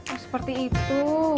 oh seperti itu